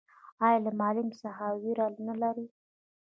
ایا له معلم څخه ویره نلري؟